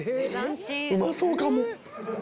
うまそうかも。